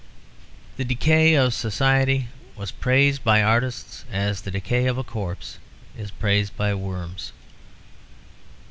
The decay of society was praised by artists as the decay of a corpse is praised by worms.